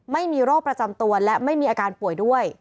ไม่มีโรคประจำตัวและไม่มีอาการป่วยด้วย